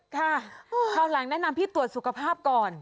คราวหลังแนะนำพี่ตรวจสุขภาพก่อน